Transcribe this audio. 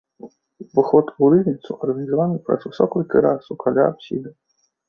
Уваход у рызніцу арганізаваны праз высокую тэрасу каля апсіды.